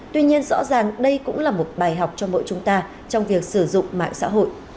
tuy nhiên rõ ràng đây cũng là một bài học cho mỗi chúng ta trong việc sử dụng mạng xã hội